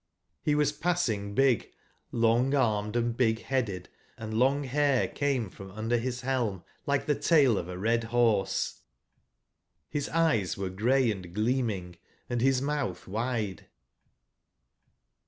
Re was passing big, long/ armed & big/beaded, and long bair came from under bis belm like tbe tail of a red borse; bis eyes were gray and gleaming, and bis moutb wide.